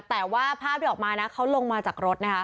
แต่ว่าภาพเดี๋ยวออกมาเขาลงมาจากรถ